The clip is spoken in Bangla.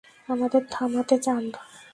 আমাদের থামাতে চান?